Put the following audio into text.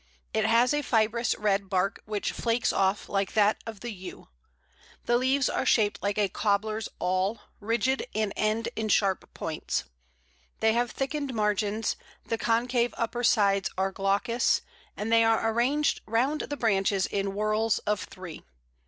It has a fibrous red bark, which flakes off like that of the Yew. The leaves are shaped like a cobbler's awl, rigid, and end in sharp points. They have thickened margins, the concave upper sides are glaucous, and they are arranged round the branches in whorls of three.